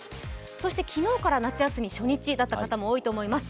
そして、昨日から夏休み初日だった方も多いと思います。